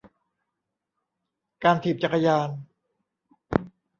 การถีบจักรยาน